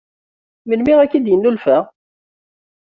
Melmi akka i d-yennulfa?